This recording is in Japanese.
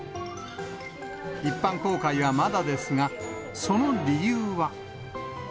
一般公開はまだですが、その理由は。